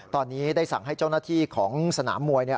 ตอนนี้ได้สั่งให้เจ้าหน้าที่ของสนามมวย